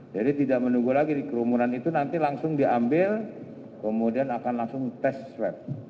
jadi tidak menunggu lagi di kerumunan itu nanti langsung diambil kemudian akan langsung tes swab